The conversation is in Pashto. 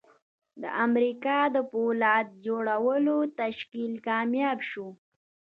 د امریکا د پولاد جوړولو تشکیل کامیاب شو